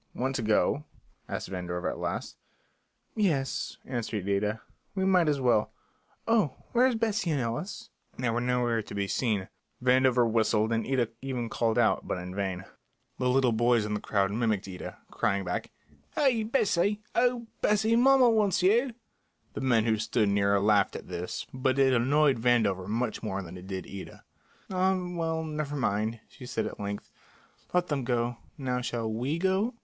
"Want to go?" asked Vandover at last. "Yes," answered Ida, "we might as well. Oh, where's Bessie and Ellis?" They were nowhere to be seen. Vandover whistled and Ida even called, but in vain. The little boys in the crowd mimicked Ida, crying back, "Hey! Bessie! Oh, Bes see, mommer wants you!" The men who stood near laughed at this, but it annoyed Vandover much more than it did Ida. "Ah, well, never mind," she said at length. "Let them go. Now shall we go?"